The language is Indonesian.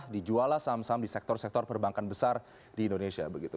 dijuallah saham saham di sektor sektor perbankan besar di indonesia begitu